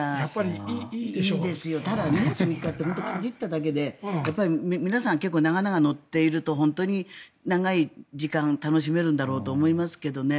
ただ、２泊３日って本当にかじっただけで皆さん、結構長々乗っていると長い時間楽しめるんだろうと思いますけどね。